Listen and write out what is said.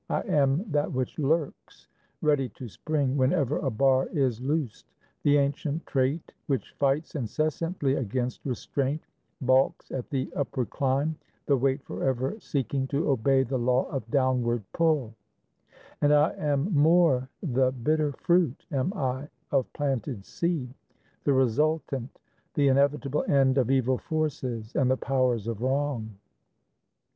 I am that which lurks, Ready to spring whenever a bar is loosed; The ancient trait which fights incessantly Against restraint, balks at the upward climb; The weight forever seeking to obey The law of downward pull; and I am more: The bitter fruit am I of planted seed; The resultant, the inevitable end Of evil forces and the powers of wrong.